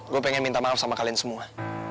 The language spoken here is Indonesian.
gue pengen minta maaf sama kalian semua